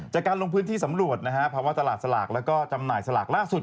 จากการลงพื้นที่สำรวจนะฮะภาวะตลาดสลากแล้วก็จำหน่ายสลากล่าสุด